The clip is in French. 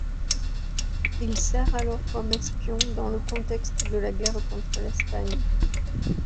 Il sert alors comme espion dans le contexte de la guerre contre l’Espagne.